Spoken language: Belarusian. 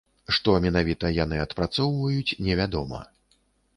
Што менавіта яны адпрацоўваюць, невядома.